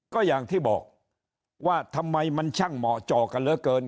ก็อย่างที่บอกว่าทำไมมันช่างเหมาะเจาะกันเหลือเกิน